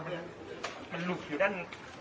มันลูกอยู่ด้าน